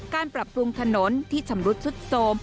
การปรับปรุงถนนที่ชำรุดสุดโทรม